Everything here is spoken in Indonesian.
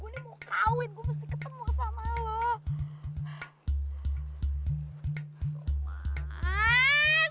gue nih mau kawin gue mesti ketemu sama lon